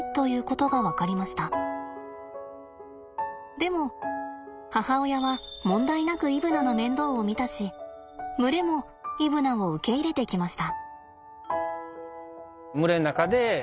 でも母親は問題なくイブナの面倒を見たし群れもイブナを受け入れてきました。